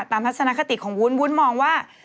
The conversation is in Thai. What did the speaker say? ทัศนคติของวุ้นวุ้นมองว่า